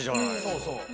そうそう。